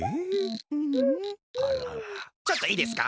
ちょっといいですか。